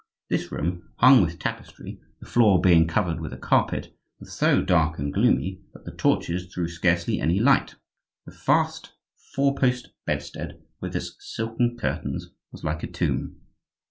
This room, hung with tapestry, the floor being covered with a carpet, was so dark and gloomy that the torches threw scarcely any light. The vast four post bedstead with its silken curtains was like a tomb.